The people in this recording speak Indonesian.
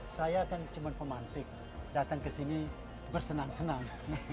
saya kan cuma pemantik datang ke sini bersenang senang